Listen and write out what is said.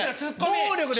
暴力です